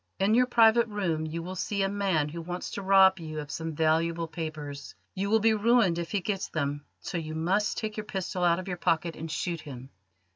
In your private room you will see a man who wants to rob you of some valuable papers. You will be ruined if he gets them, so you must take your pistol out of your pocket and shoot him.